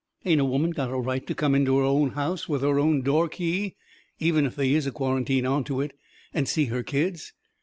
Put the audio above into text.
Ain't a woman got a right to come into her own house with her own door key, even if they is a quarantine onto it, and see her kids?